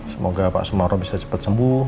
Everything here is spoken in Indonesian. semoga pak sumaro bisa cepet sembuh